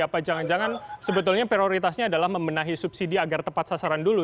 apa jangan jangan sebetulnya prioritasnya adalah membenahi subsidi agar tepat sasaran dulu